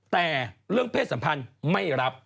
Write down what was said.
แต่เรื่องเพศสัมพันธ์ไม่รับ